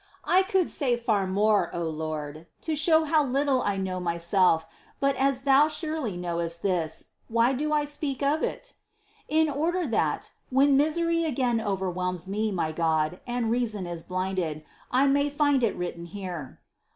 I could say far more, O Lord, to show how little I know myself, but as Thou surely knowest this, why do I speak of it ? 4. In order that, when misery again overwhelms me, my God, and reason is blinded, I may find it written here.